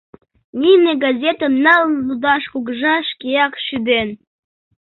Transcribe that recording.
Нине газетым налын лудаш кугыжа шкеак шӱден.